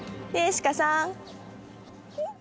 シカさん。